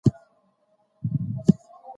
پوښتنې بايد حل سي.